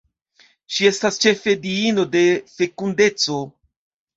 Ŝi estas ĉefe diino de fekundeco.